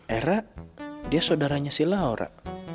erah dia saudaranya si laura